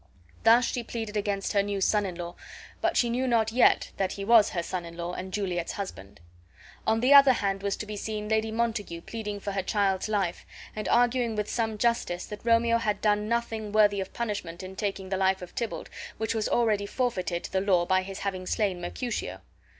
Thus she pleaded against her new son in law, but she knew not yet that he was her son in law and Juliet's husband. On the other hand was to be seen Lady Montague pleading for her child's life, and arguing with some justice that Romeo had done nothing worthy of punishment in taking the life of Tybalt, which was already forfeited to the law by his having slain Mercutio.